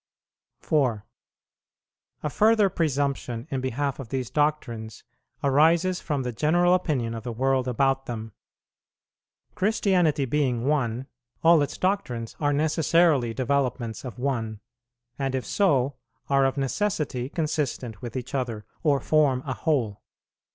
4. A further presumption in behalf of these doctrines arises from the general opinion of the world about them. Christianity being one, all its doctrines are necessarily developments of one, and, if so, are of necessity consistent with each other, or form a whole.